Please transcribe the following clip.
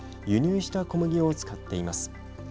輸入した小麦を使っています。